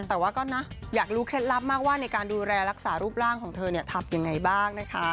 แต่ว่าก็นะอยากรู้เคล็ดลับมากว่าในการดูแลรักษารูปร่างของเธอทำยังไงบ้างนะคะ